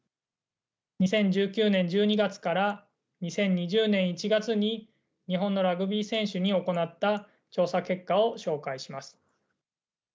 ２０１９年１２月から２０２０年１月に日本のラグビー選手に行った調査結果を紹介します。